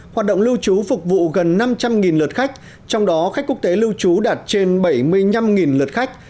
hoạt động lưu trú phục vụ gần năm trăm linh lượt khách trong đó khách quốc tế lưu trú đạt trên bảy mươi năm lượt khách